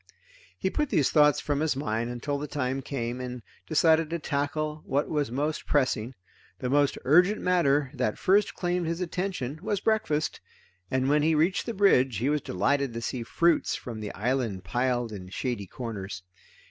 He put these thoughts from his mind until the time came, and decided to tackle what was most pressing. The most urgent matter that first claimed his attention was breakfast, and when he reached the bridge he was delighted to see fruits from the island piled in shady corners.